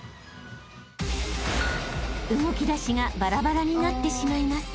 ［動きだしがバラバラになってしまいます］